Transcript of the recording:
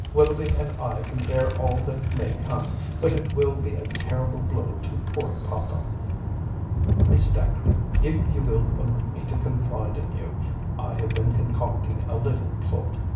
Willoughby and I can bear all that may come, but it will be a terrible blow to poor papa." "Miss Dacre, if you will permit me to confide in you—I have been concocting a little plot.